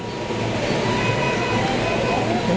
không có múc cơm được